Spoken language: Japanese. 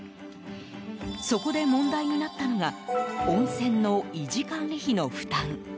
そこで問題になったのが温泉の維持管理費の負担。